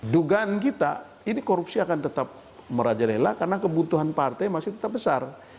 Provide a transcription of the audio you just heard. dugaan kita ini korupsi akan tetap meraja rela karena kebutuhan partai masih tetap besar